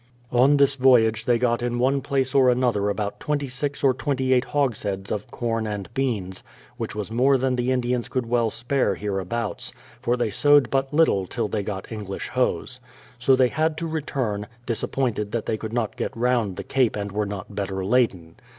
On this voyage they got in one place or another about 26 or 28 hogsheads of corn and beans, which was more than the Indians could well spare hereabouts, for they sowed but little till they got English hoes. So they had to return, dis appointed that they could not get round the Cape and were not better laden.